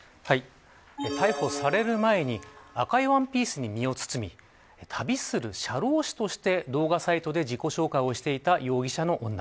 逮捕される前に赤いワンピースに身を包み旅する社労士として動画サイトで自己紹介をしていた容疑者の女。